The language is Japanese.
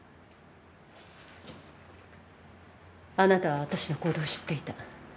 あなたは私の行動を知っていた。